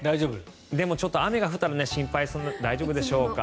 でもちょっと雨が降ったので大丈夫でしょうか。